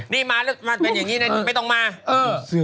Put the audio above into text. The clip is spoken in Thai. นี่มาแล้วมาเป็นอย่างนี้นะไม่ต้องมา